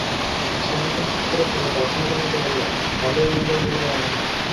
সে অনেকক্ষণ চুপ করে থেকে দার্শনিকের মতো বলল, ভালোয়-মন্দয় মিলাইয়া মানুষ।